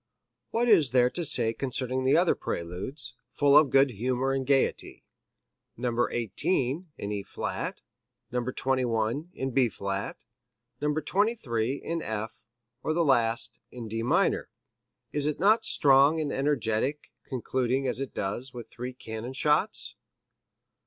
... What is there to say concerning the other Preludes, full of good humor and gaiety No. 18, in E flat; No. 21, in B flat; No. 23, in F, or the last, in D minor? Is it not strong and energetic, concluding, as it does, with three cannon shots?"